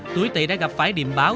tuổi tị đã gặp phải điểm báo